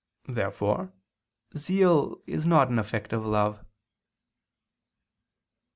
Therefore zeal is not an effect of love.